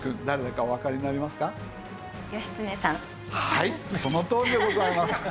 はいそのとおりでございます。